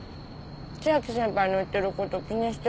千秋先輩の言ってること気にしてるなら。